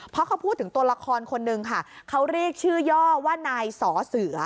เพราะเขาพูดถึงตัวละครคนนึงค่ะเขาเรียกชื่อย่อว่านายสอเสือ